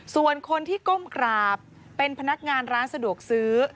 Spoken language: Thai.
ส่วนคนที่ก้มกราบเป็นพนักงานร้านสะดวกซื้อ